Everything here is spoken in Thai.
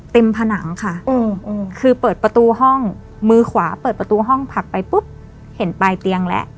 ผนังค่ะคือเปิดประตูห้องมือขวาเปิดประตูห้องผลักไปปุ๊บเห็นปลายเตียงแล้ว